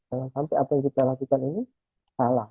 jangan sampai apa yang kita lakukan ini salah